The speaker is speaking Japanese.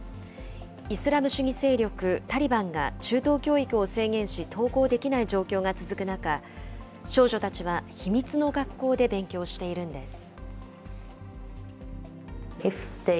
イスラム主義勢力タリバンが中等教育を制限し、登校できない状況が続く中、少女たちは、秘密の学校で勉強しているんです。